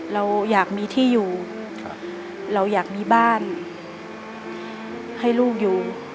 เราอยากมีที่อยู่เราอยากมีบ้านให้ลูกอยู่